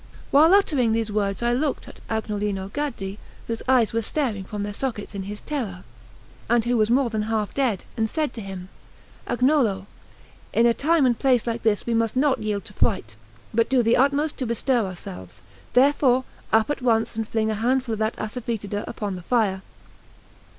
While uttering these words I looked at Agnolino Gaddi, whose eyes were starting from their sockets in his terror, and who was more than half dead, and said to him: "Agnolo, in time and place like this we must not yield to fright, but do the utmost to bestir ourselves; therefore, up at once, and fling a handful of that assafetida upon the fire."